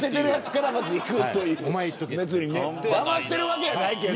別にだましてるわけやないけど。